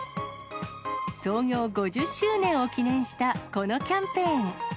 創業５０周年を記念したこのキャンペーン。